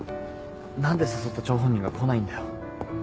何で誘った張本人が来ないんだよ。